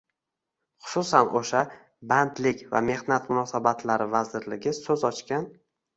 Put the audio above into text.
xususan o‘sha — Bandlik va mehnat munosabatlari vazirligi so‘z ochgan